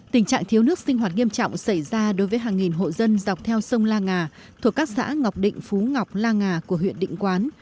tình trạng thiếu nước sinh hoạt nghiêm trọng xảy ra đối với hàng nghìn hộ dân dọc theo sông la ngà thuộc các xã ngọc định phú ngọc la nga của huyện định quán